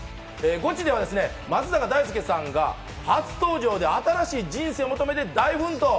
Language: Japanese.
ゴチでは松坂大輔さんが初登場で、新しい人生を求めて大奮闘。